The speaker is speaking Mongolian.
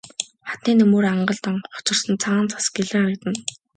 Хадны нөмөр ангалд хоцорсон цагаан цас гялайн харагдана.